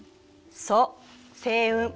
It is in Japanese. そう星雲。